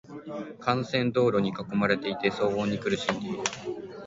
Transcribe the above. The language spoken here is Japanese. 幹線道路に囲まれていて、騒音に苦しんでいる。